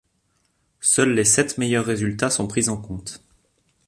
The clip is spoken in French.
Seuls les sept meilleurs résultats sont pris en compte.